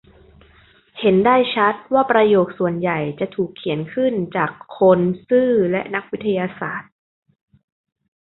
เห็นได้ชัดว่าประโยคส่วนใหญ่จะถูกเขียนขึ้นจากคนซื่อและนักวิทยาศาสตร์